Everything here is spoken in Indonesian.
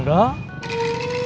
aku mau pergi